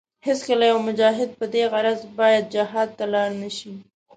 هېڅکله يو مجاهد په دې غرض باید جهاد ته لاړ نشي.